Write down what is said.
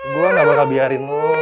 gua gak bakal biarin lo